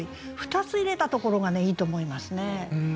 ２つ入れたところがいいと思いますね。